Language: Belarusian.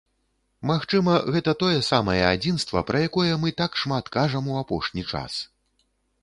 Магчыма, гэта тое самае адзінства, пра якое мы так шмат кажам у апошні час.